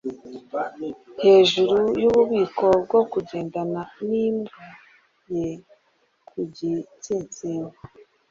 Hejuru yububiko bwo kugendana nimbwa ye ku gatsinsino,